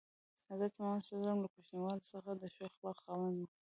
حضرت محمد ﷺ له کوچنیوالي څخه د ښو اخلاقو خاوند و.